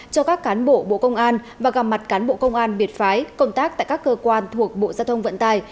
cho các cán bộ bộ công an và gặp mặt cán bộ công an biệt phái công tác tại các cơ quan thuộc bộ giao thông vận tài